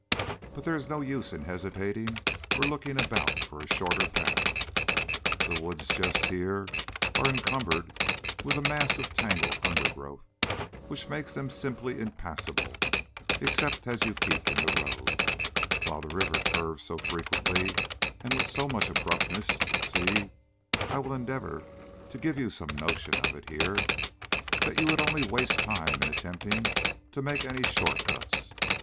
But there is no use in hesitating or looking about for a shorter path. The woods just here are encumbered with a mass of tangled undergrowth which make them simply impassable except as you keep in the road, while the river curves so frequently and with so much abruptness see, I will endeavor to give you some notion of it here that you would only waste time in attempting to make any short cuts.